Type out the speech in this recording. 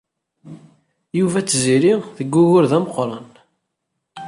Yuba d Tiziri deg wugur d ameqṛan.